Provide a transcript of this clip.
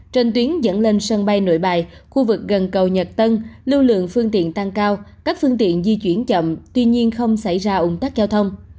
trên tuyến dẫn lên sân bay nội bài khu vực gần cầu nhật tân lưu lượng phương tiện tăng cao các phương tiện di chuyển chậm tuy nhiên không xảy ra ủng tắc giao thông